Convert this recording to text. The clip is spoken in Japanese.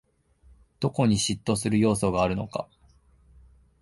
どこに嫉妬する要素があるのか